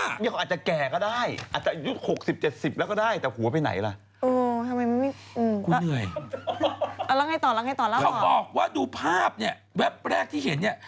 นี่เขาอาจจะแก่ก็ได้